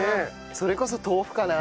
それこそ豆腐かな。